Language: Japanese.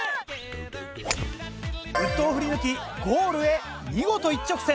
ウッドを振り抜きゴールへ見事一直線。